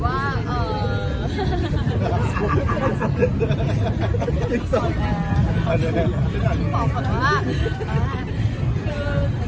ด้วยใจล่ะเป็นซื้อ